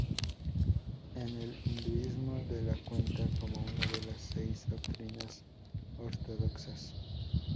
En el hinduismo, se la cuenta como una de sus seis doctrinas ortodoxas.